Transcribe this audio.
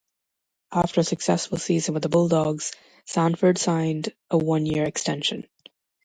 After a successful season with the Bulldogs, Sanford signed a one-year extension.